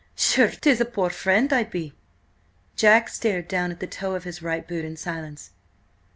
Sure, 'tis a poor friend I'd be!" Jack stared down at the toe of his right boot in silence.